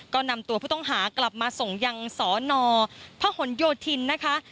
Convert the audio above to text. ก็นำตัวผู้ต้องหากลับมาส่งยังสนพหนโยธินนะคะ